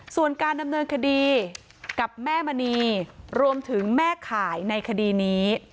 ส่วนการดำเนินคดีกับแม่มณีรวมถึงแม่ข่ายในคดีนี้